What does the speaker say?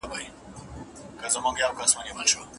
هغوی به د خپلو نویو نظریو په اړه وغږېږي.